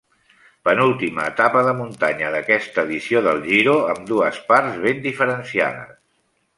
Penúltima etapa de muntanya d'aquesta edició del Giro, amb dues parts ben diferenciades.